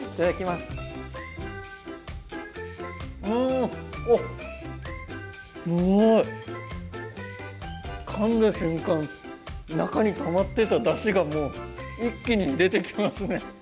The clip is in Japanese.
すごい！かんだ瞬間中にたまってただしがもう一気に出てきますね。